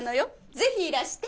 ぜひいらして。